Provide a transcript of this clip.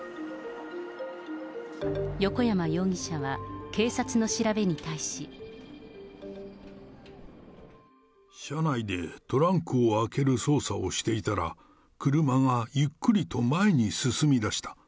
横山容疑者は、警察の調べに対し。車内でトランクを開ける操作をしていたら、車がゆっくりと前に進みだした。